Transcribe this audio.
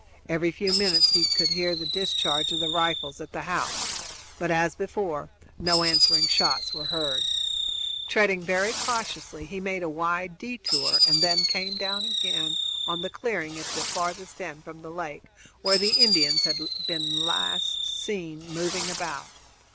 Every few minutes he could hear the discharge of the rifles at the house; but, as before, no answering shots were heard. Treading very cautiously, he made a wide détour and then came down again on the clearing at the end furthest from the lake, where the Indians had been last seen moving about.